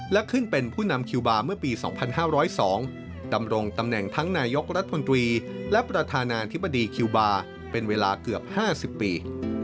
และขึ้นเป็นผู้นำคิวบาร์เมื่อปี๒๕๐๒ดำรงตำแหน่งทั้งนายกรัฐมนตรีและประธานาธิบดีคิวบาร์เป็นเวลาเกือบ๕๐ปี